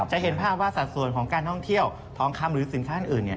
จะเห็นภาพว่าสัดส่วนของการท่องเที่ยวทองคำหรือสินค้าอื่น